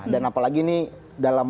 dan apalagi ini dalam